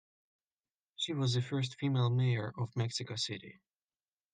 She was the first female Mayor of Mexico City.